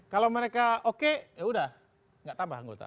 kalau mereka oke nggak tambah anggota